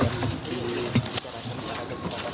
terima kasih pak